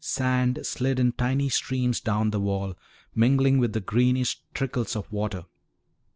Sand slid in tiny streams down the wall, mingling with the greenish trickles of water.